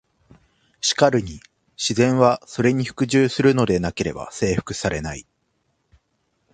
しかるに「自然は、それに服従するのでなければ征服されない」。